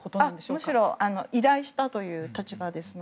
むしろ依頼したという立場です。